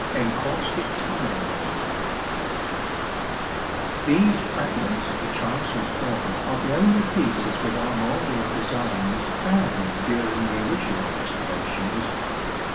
49 Encaustic Tiles. These fragments of the chancel floor are the only pieces with armorial designs found during the original excavations.